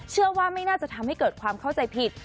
เชื่อว่าไม่น่าจะทำให้เกิดความเข้าใจผิด